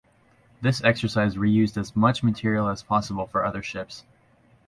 This exercise reused as much material as possible for other ships.